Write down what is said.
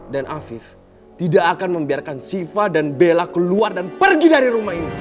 dan afif tidak akan membiarkan siva dan bella keluar dan pergi dari rumah ini